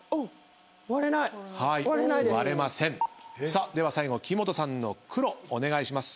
さあでは最後木本さんの黒お願いします。